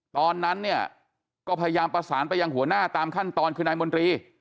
ตอนนั้นเนี่ยก็พยายามประสานไปยังหัวหน้าตามขั้นตอนคือนายมนตรี